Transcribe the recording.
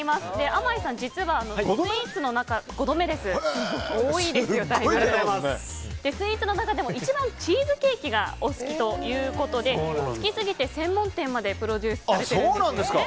あまいさん実は、スイーツの中でも一番チーズケーキがお好きということで好きすぎて専門店までプロデュースされているんですね。